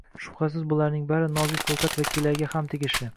Shubhasiz, bularning bari nozik hilqat vakillariga ham tegishli